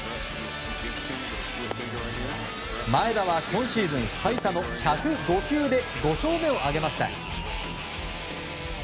前田は今シーズン最多の１０５球で５勝目を挙げました。